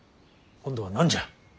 今度は何じゃ。